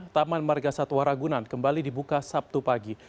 taman margasatwa ragunan kembali dibuka sabtu pagi